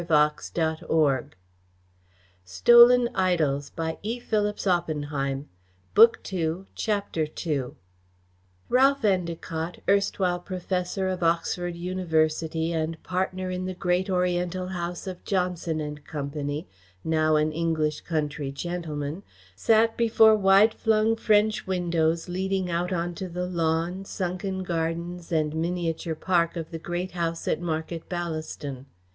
"You needn't," he confided. "The Soul is up at the Great House." CHAPTER II Ralph Endacott, erstwhile professor of Oxford University and partner in the great Oriental house of Johnson and Company, now an English country gentleman, sat before wide flung French windows leading out on to the lawn, sunken gardens and miniature park of the Great House at Market Ballaston.